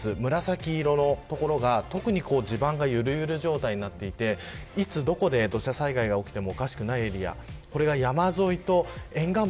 紫色の所が、特に地盤がゆるゆる状態になっていていつどこで土砂災害が起きてもおかしくないエリア。